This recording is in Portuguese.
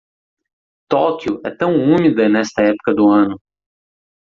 Tóquio é tão úmida nesta época do ano.